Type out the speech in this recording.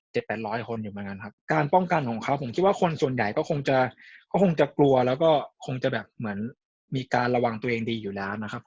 แปดร้อยคนอยู่เหมือนกันครับการป้องกันของเขาผมคิดว่าคนส่วนใหญ่ก็คงจะก็คงจะกลัวแล้วก็คงจะแบบเหมือนมีการระวังตัวเองดีอยู่แล้วนะครับ